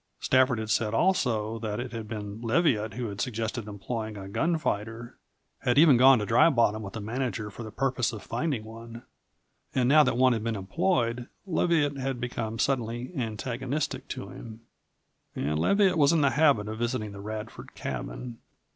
Stafford had said also that it had been Leviatt who had suggested employing a gunfighter had even gone to Dry Bottom with the manager for the purpose of finding one. And now that one had been employed Leviatt had become suddenly antagonistic to him. And Leviatt was in the habit of visiting the Radford cabin.